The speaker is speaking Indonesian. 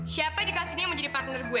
siapa dikasih ini yang mau jadi partner gue